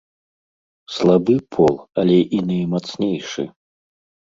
Слабы пол, але і наймацнейшы.